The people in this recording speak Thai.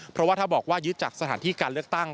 เพราะว่าถ้าบอกว่ายึดจากสถานที่การเลือกตั้ง